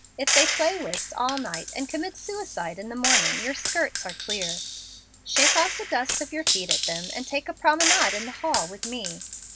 If they play whist all night and commit suicide in the morning, your skirts are clear. Shake off the dust of your feet at them, and take a promenade in the hall with me.